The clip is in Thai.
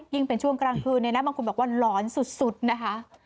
เป็นช่วงกลางคืนเนี่ยนะบางคนบอกว่าหลอนสุดนะคะ